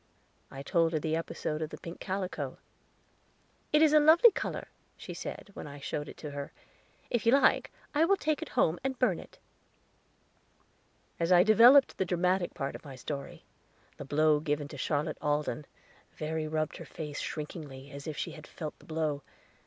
I told her the episode of the pink calico. "It is a lovely color," she said, when I showed it to her. "If you like, I will take it home and burn it." As I developed the dramatic part of my story the blow given Charlotte Alden, Verry rubbed her face shrinkingly, as if she had felt the blow.